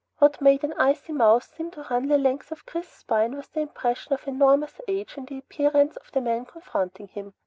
What made an icy mouse seem to run the length of Chris's spine was the impression of enormous age in the appearance of the man confronting him.